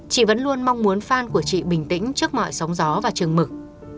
chị vẫn luôn mong muốn phan của chị bình tĩnh trước mọi sóng gió và trường mực